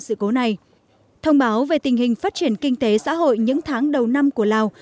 sự cố này thông báo về tình hình phát triển kinh tế xã hội những tháng đầu năm của lào